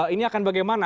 ini akan bagaimana